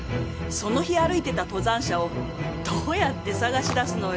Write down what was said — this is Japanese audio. その日歩いてた登山者をどうやって捜し出すのよ。